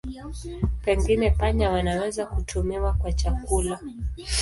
Pengine panya wanaweza kutumiwa kwa chakula.